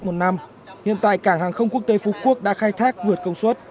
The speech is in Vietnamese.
một năm hiện tại cảng hàng không quốc tế phú quốc đã khai thác vượt công suất